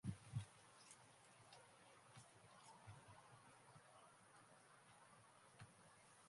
Which, la mayor de las tres "Mrs.